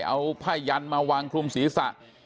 เอาไพรรมาวางคลุมศรีษะ